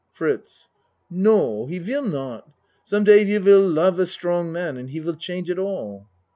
FRITZ No he vill not. Someday you vill lof a strong man and he vill change it all.